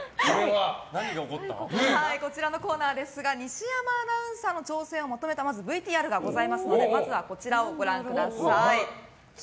こちらのコーナーですが西山アナウンサーの挑戦をまとめたＶＴＲまずはこちらをご覧ください。